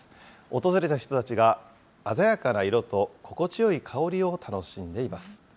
訪れた人たちが、鮮やかな色と心地よい香りを楽しんでいます。